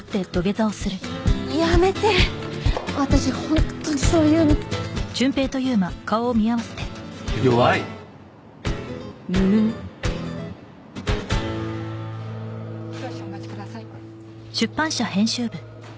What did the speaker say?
やめて私本当にそういうの弱いムムム少々お待ちください